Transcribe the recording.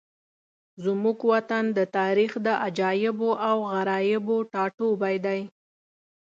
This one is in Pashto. زموږ وطن د تاریخ د عجایبو او غرایبو ټاټوبی دی.